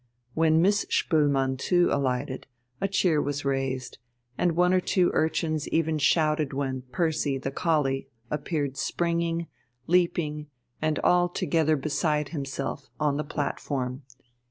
When Miss Spoelmann too alighted, a cheer was raised, and one or two urchins even shouted when Percy, the collie, appeared springing, leaping, and altogether beside himself, on the platform.